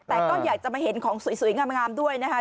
แต่ก็อยากจะมาเห็นของสวยงามด้วยนะคะ